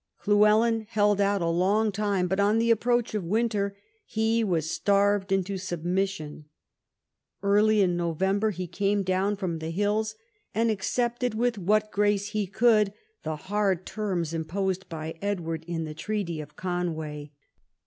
Llywelyn held out a long time, but on the approach of winter he was starved into submission. Early in November he came down from the hills and accepted with what grace he could the hard terms imposed by Edward in the Treaty of Conway.